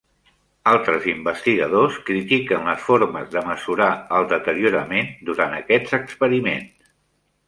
Altres investigadors critiquen les formes de mesurar el deteriorament durant aquests experiments.